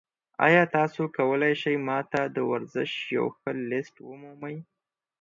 ایا تاسو کولی شئ ما ته د ورزش یو ښه لیست ومومئ؟